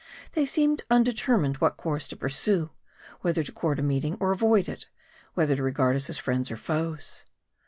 They seemed undetermined what course to pursue : whether to court a meeting, or avoid it ; whether to regard us as friends or foes.